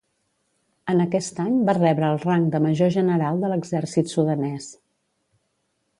En aquest any va rebre el rang de major general de l'exèrcit sudanès.